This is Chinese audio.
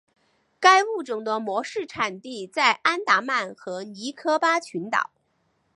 该物种的模式产地在安达曼和尼科巴群岛。